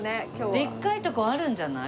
でっかいとこあるんじゃない？